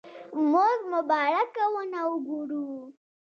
موږ مبارکه ونه وګورو.